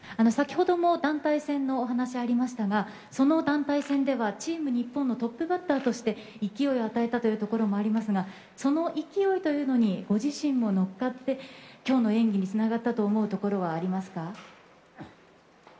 先ほども団体戦のお話ありましたが、その団体戦ではチーム日本のトップバッターとして、勢いを与えたというところもありますが、その勢いというのにご自身も乗っかって、きょうの演技につながったと思うところはありますか。